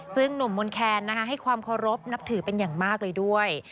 ซึ่งหนุ่มมนแคนให้ความเคารพนับถือเป็นอย่างมากเลยด้วย